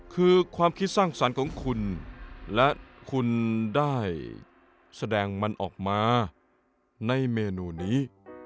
คือความคิดสร้างสรรค์ของคุณและคุณได้แสดงมันออกมาในเมนูนี้